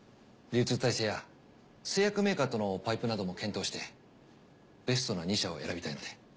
流通体制や製薬メーカーとのパイプなども検討してベストな２社を選びたいので。